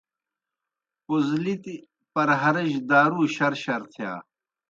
پوزلِتیْ پرہرِجیْ دارُو شرشر تِھیا۔